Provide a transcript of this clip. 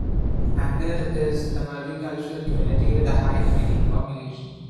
Angered is a multicultural community with a high immigrant population.